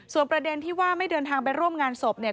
ส่วนประเด็นที่ว่าไม่เดินทางไปร่วมงานศพเนี่ย